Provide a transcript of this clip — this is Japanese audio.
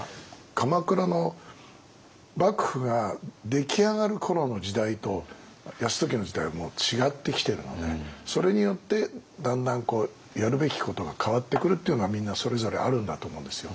鎌倉の幕府が出来上がる頃の時代と泰時の時代はもう違ってきてるのでそれによってだんだんやるべきことが変わってくるというのはみんなそれぞれあるんだと思うんですよ。